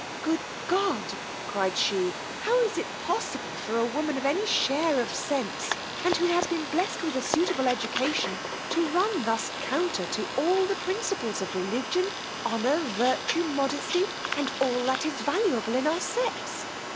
Good God! cried she, how is it possible for a woman of any share of sense, and who has been blessed with a suitable education, to run thus counter to all the principles of religion, honour, virtue, modesty, and all that is valuable in our sex?